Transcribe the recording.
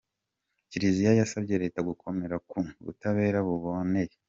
Kiliziya yasabye Leta gukomera ku butabera buboneye